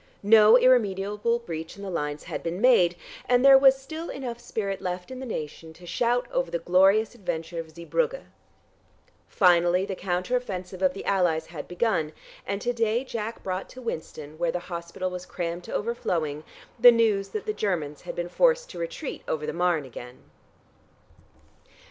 No irremediable breach in the lines had been made, and there was still enough spirit left in the nation to shout over the glorious adventure of Zeebrugge. Finally the counter offensive of the Allies had begun, and to day Jack brought to Winston, where the hospital was crammed to overflowing, the news that the Germans had been forced to retreat over the Marne again.